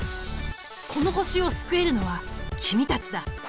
この星を救えるのは君たちだ。